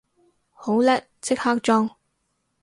好叻，即刻裝